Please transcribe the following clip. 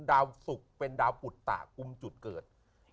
ดาวสุกเป็นดาวปุตตะกุมจุดเกิด